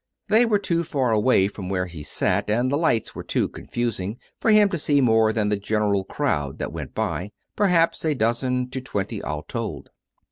They were too far away from where he sat, and the lights were too confusing, for him to see more than the general crowd that went by — perhaps from a dozen to twenty all told.